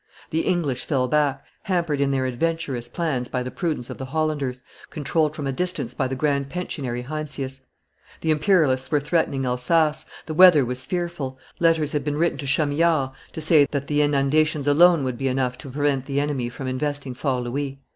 The English fell back, hampered in their adventurous plans by the prudence of the Hollanders, controlled from a distance by the grand pensionary Heinsius. The imperialists were threatening Elsass; the weather was fearful; letters had been written to Chamillard to say that the inundations alone would be enough to prevent the enemy from investing Fort Louis.